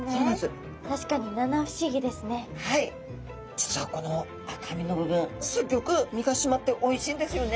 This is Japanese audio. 実はこの赤身の部分すっギョく身が締まっておいしいんですよね。